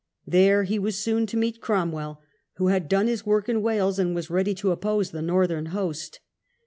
There he was soon to meet Crom well, who had done his work in Wales and was ready to oppose the Northern host.